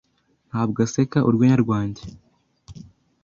Ntabwo aseka urwenya rwanjye.